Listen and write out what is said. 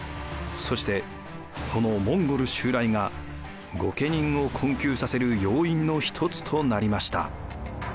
そしてこのモンゴル襲来が御家人を困窮させる要因の一つとなりました。